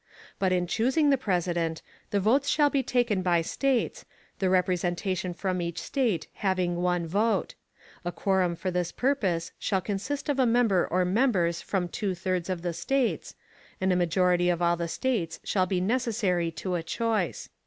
But in choosing the President, the votes shall be taken by states, the representation from each state having one vote; a quorum for this purpose shall consist of a member or members from two thirds of the states, and a majority of all the states shall be necessary to a choice.